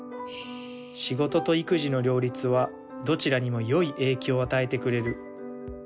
「仕事と育児の両立はどちらにも良い影響を与えてくれる」。